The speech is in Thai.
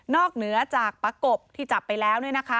เหนือจากประกบที่จับไปแล้ว